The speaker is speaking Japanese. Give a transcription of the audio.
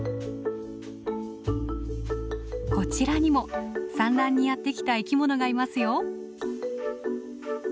こちらにも産卵にやって来た生きものがいますよ。